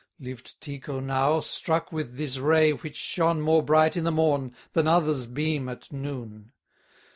Lived Tycho now, struck with this ray which shone More bright i' the morn, than others' beam at noon.